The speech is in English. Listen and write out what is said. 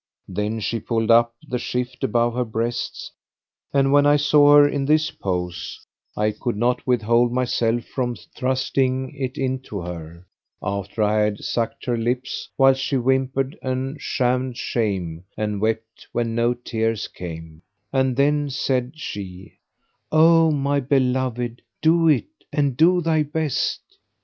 Then she pulled up the shift above her breasts, and when I saw her in this pose, I could not withhold myself from thrusting it into her, after I had sucked her lips, whilst she whimpered and shammed shame and wept when no tears came, and then said she, "O my beloved, do it, and do thy best!"